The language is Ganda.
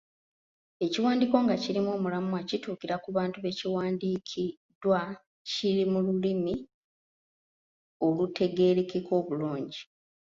Ekiwandiiko nga kirimu omulamwa, kituukira ku bantu be kiwandiikiddwa, kiri mu lulimi olutegeerekeka obulungi.